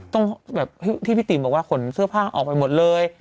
แบบที่พี่ติ๋มบอกว่าขนเสื้อผ้าออกไปหมดเลย